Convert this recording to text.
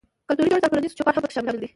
کلتوري جوړښت او ټولنیز چوکاټ هم پکې شامل دي.